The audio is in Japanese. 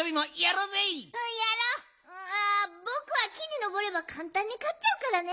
あぼくは木にのぼればかんたんにかっちゃうからね。